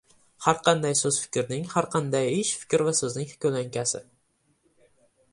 • Har qanday so‘z fikrning, har qanday ish fikr va so‘zning ko‘lankasi.